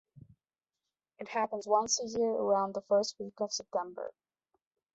It happens once a year around the first week of September.